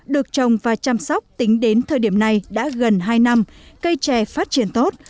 được trồng và chăm sóc tính đến thời điểm này đã gần hai năm cây trẻ phát triển tốt